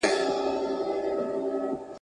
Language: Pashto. استادان او شاگردان یې دهقانان کړل !.